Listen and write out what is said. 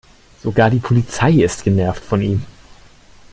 Sogar die Polizei ist genervt von ihm.